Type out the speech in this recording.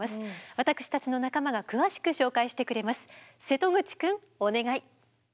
私たちの仲間が詳しく紹介してくれます。